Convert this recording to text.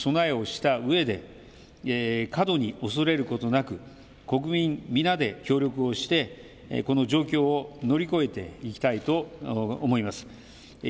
未知なるウイルスとの闘いですが十分な備えをしたうえで過度に恐れることなく国民皆で協力をしてこの状況を乗り越えていきたいと思います。